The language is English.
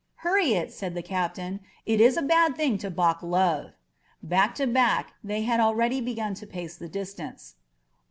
"Hurry it," said the captain. "It is a bad thing to balk love." Back to back, they had already begun to pace the distance.